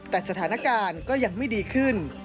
แต่สถานการณ์ก็ยังไม่ดีขึ้น